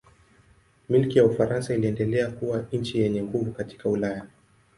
Milki ya Ufaransa iliendelea kuwa nchi yenye nguvu katika Ulaya.